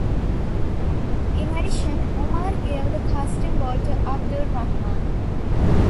In addition, Umar gave the casting vote to Abdur Rahman.